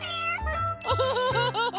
フフフフフ。